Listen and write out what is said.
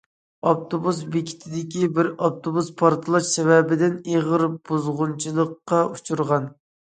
ئاپتوبۇس بېكىتىدىكى بىر ئاپتوبۇس پارتلاش سەۋەبىدىن ئېغىر بۇزغۇنچىلىققا ئۇچۇرغان.